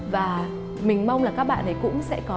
và mình mong là các bạn ấy cũng sẽ có